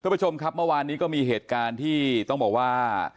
คุณผู้ชมครับเมื่อวานนี้ก็มีเหตุการณ์ที่ต้องบอกว่า